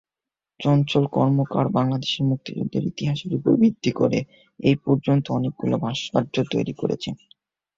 চঞ্চল কর্মকার বাংলাদেশের মুক্তিযুদ্ধের ইতিহাসের উপর ভিত্তি করে এই পর্যন্ত অনেকগুলো ভাস্কর্য তৈরি করেছেন।